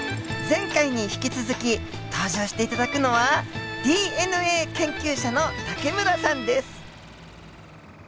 前回に引き続き登場して頂くのはＤＮＡ研究者の武村さんです。